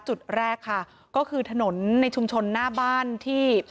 จุดแรกค่ะก็คือถนนในชุมชนหน้าบ้านที่